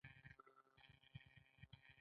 د زهرو د ضد لپاره د سکرو او اوبو ګډول وکاروئ